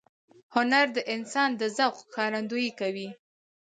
هنر د انسان د ذوق ښکارندویي کوي.